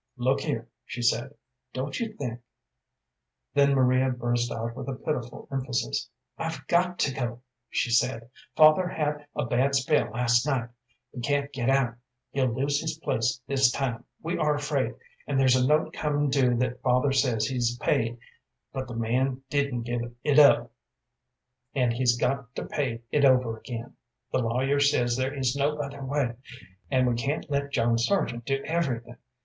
"Look here," she said, "don't you think " Then Maria burst out with a pitiful emphasis. "I've got to go," she said. "Father had a bad spell last night; he can't get out. He'll lose his place this time, we are afraid, and there's a note coming due that father says he's paid, but the man didn't give it up, and he's got to pay it over again; the lawyer says there is no other way, and we can't let John Sargent do everything.